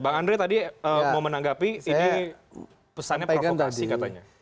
bang andre tadi mau menanggapi ini pesannya provokasi katanya